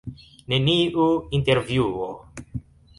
Neniu intervjuo.